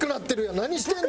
何してんの？